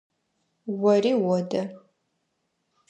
Ори одэ.